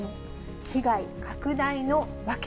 被害拡大の訳。